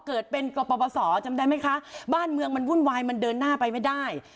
เกิดเป็นกรปศจำได้ไหมคะบ้านเมืองมันวุ่นวายมันเดินหน้าไปไม่ได้